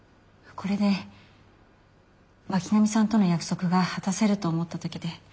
これで巻上さんとの約束が果たせると思った時で。